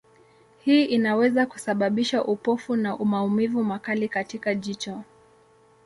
Hii inaweza kusababisha upofu na maumivu makali katika jicho.